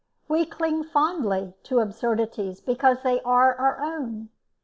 We cling fondly to absurdities because they are our own.